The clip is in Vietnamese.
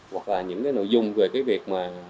hoặc là những nội dung về việc